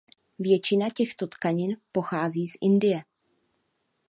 Většina těchto tkanin pochází z Indie.